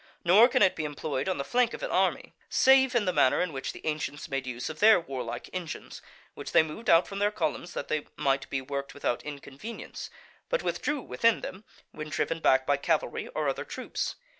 Nor can it be employed on the flank of an army, save in the manner in which the ancients made use of their warlike engines, which they moved out from their columns that they might be worked without inconvenience, but withdrew within them when driven back by cavalry or other troops.